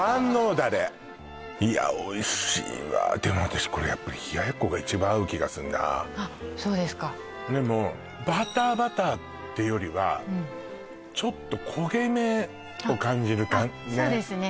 だれいやおいしいわでも私これやっぱりあっそうですかでもバターバターっていうよりはちょっと焦げ目を感じるそうですね